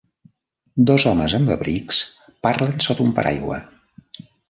Dos homes amb abrics parlen sota un paraigua.